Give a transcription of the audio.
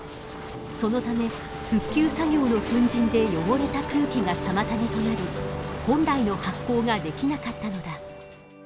そのため復旧作業の粉塵で汚れた空気が妨げとなり本来の発酵ができなかったのだ。